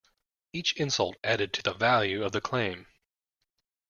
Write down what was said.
Each insult added to the value of the claim.